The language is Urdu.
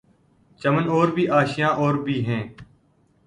چمن اور بھی آشیاں اور بھی ہیں